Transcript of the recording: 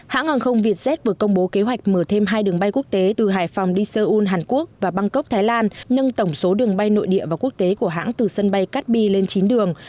hãng hàng không vietjet vừa công bố kế hoạch mở thêm hai đường bay quốc tế từ hải phòng đi seoul hàn quốc và bangkok thái lan nâng tổng số đường bay nội địa và quốc tế của hãng từ sân bay cát bi lên chín đường